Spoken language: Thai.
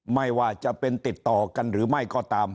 ไม่ว่าจะเป็นติดต่อกันหรือไม่ก็ตาม